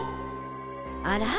あら？